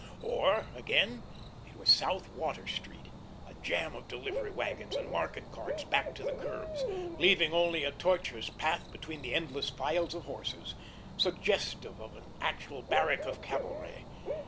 Or, again, it was South Water Street a jam of delivery wagons and market carts backed to the curbs, leaving only a tortuous path between the endless files of horses, suggestive of an actual barrack of cavalry.